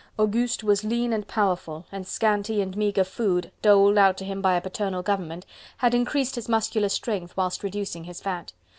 Auguste was lean and powerful, the scanty and meagre food, doled out to him by a paternal government, had increased his muscular strength whilst reducing his fat.